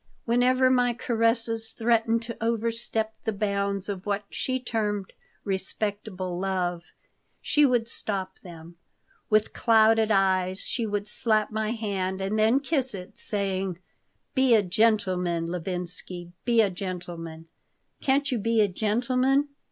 Whenever my caresses threatened to overstep the bounds of what she termed "respectable love" she would stop them. With clouded eyes she would slap my hand and then kiss it, saying: "Be a gentleman, Levinsky. Be a gentleman. Can't you be a gentleman?"